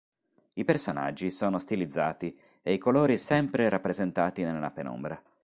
I personaggi sono stilizzati e i colori sempre rappresentati nella penombra.